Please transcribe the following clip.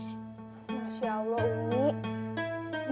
masya allah umi